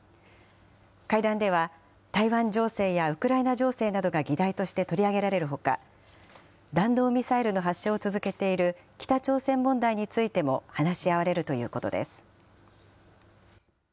会談では、台湾情勢やウクライナ情勢などが議題として取り上げられるほか、弾道ミサイルの発射を続けている北朝鮮問題についても話し合われるということです。